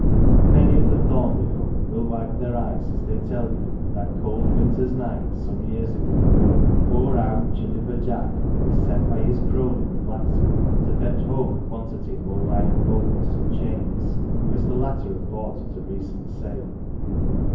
Many of the Thernleigh folk will wipe their eyes as they tell you of that cold winter's night, some years ago, when " poor owd Gillyf 'er Jack " was sent by his crony the blacksmith to fetch home a quantity of old iron bolts and chains which the latter had bought at a recent sale.